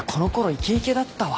イケイケだった。